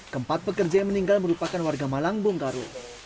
keempat pekerja yang meninggal merupakan warga malang bongkar